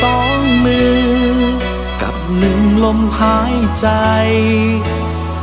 ให้เราร่วมมือกับสิ่งที่พาเธออยากทำให้กลับให้กัน